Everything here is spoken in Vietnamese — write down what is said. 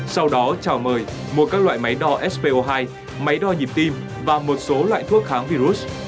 sau đó chào mời mua các loại máy đo spo hai máy đo nhịp tim và một số loại thuốc kháng virus